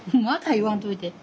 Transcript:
言わんといて。